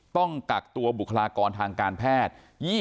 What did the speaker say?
ต้องกักตัวบุคลากรทางการแพทย์